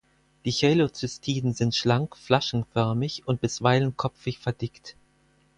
Die Cheilozystiden sind schlank flaschenförmig und bisweilen kopfig verdickt.